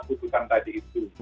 keputusan tadi itu